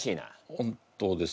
本当です。